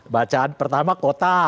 bacaan pertama kota